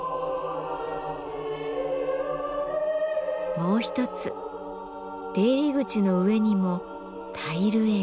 もう一つ出入り口の上にもタイル画が。